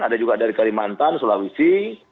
ada juga dari kalimantan sulawesi